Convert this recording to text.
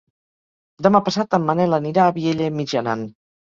Demà passat en Manel anirà a Vielha e Mijaran.